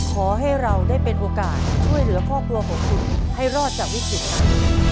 ขอให้เราได้เป็นโอกาสช่วยเหลือครอบครัวของคุณให้รอดจากวิกฤตนั้น